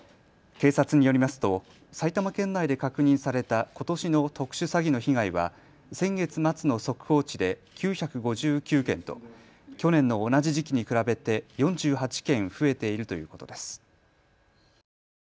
警察によりますと埼玉県内で確認されたことしの特殊詐欺の被害は先月末の速報値で９５９件と去年の同じ時期に比べて４８件増えているということです。